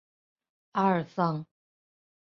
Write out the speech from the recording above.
阿尔桑。